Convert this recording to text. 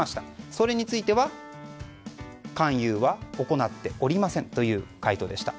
それについては勧誘は行っておりませんという回答でした。